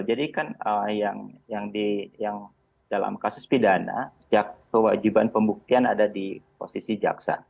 jadi kan yang dalam kasus pidana kewajiban pembuktian ada di posisi jaksa